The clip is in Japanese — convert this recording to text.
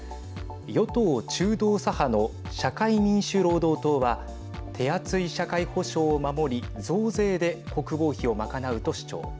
与党・中道左派の社会民主労働党は手厚い社会保障を守り増税で国防費を賄うと主張。